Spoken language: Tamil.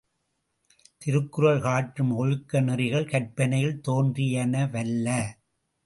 திருக்குறள் காட்டும் ஒழுக்க நெறிகள் கற்பனையில் தோன்றியனவல்ல.